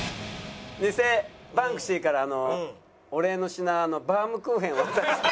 偽バンクシーからのお礼の品バウムクーヘンを渡す。